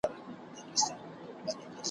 هر شوقي یې د رنګونو خریدار وي ,